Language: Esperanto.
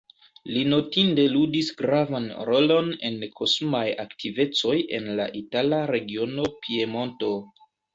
Li notinde ludis gravan rolon en kosmaj aktivecoj en la itala regiono Piemonto.